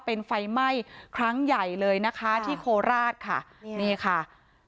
เป็นไฟไหม้ครั้งใหญ่เลยนะคะที่โคราชค่ะนี่ค่ะ